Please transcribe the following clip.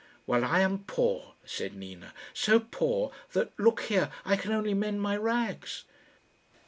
"While I am poor," said Nina; "so poor that look here, I can only mend my rags.